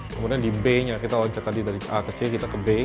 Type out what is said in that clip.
kemudian di b nya kita loncak tadi dari a ke c kita ke b